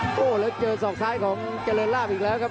โอ้โหแล้วเจอศอกซ้ายของเจริญลาบอีกแล้วครับ